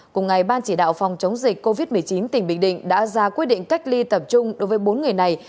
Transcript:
cùng ngày ban chỉ đạo phòng chống dịch covid một mươi chín tỉnh bình định đã ra quyết định cách ly tập trung đối với bốn người này